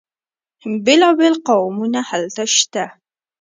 بیلا بیل قومونه هلته شته.